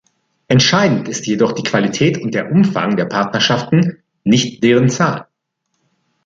Entscheidend ist jedoch die Qualität und der Umfang der Partnerschaften, nicht deren Zahl.